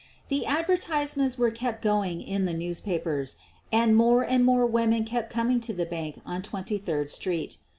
The advertisements were kept going in the news papers, and more and more women kept coming to the bank on Twenty third street.